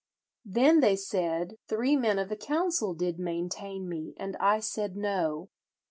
"Then they said three men of the council did maintain me, and I said no.